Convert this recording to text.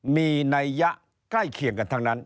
มีนัยยะใกล้เคียงกันทั้งนั้น